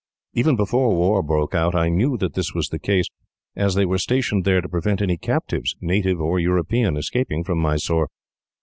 "Even before war broke out, I know that this was the case, as they were stationed there to prevent any captives, native or European, escaping from Mysore.